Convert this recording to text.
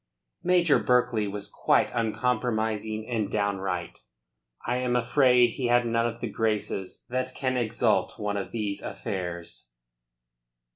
Major Berkeley was quite uncompromising and downright. I am afraid he had none of the graces that can exalt one of these affairs.